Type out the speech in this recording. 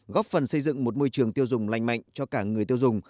góp phần xây dựng một môi trường tiêu dùng lành mạnh cho cả người tiêu dùng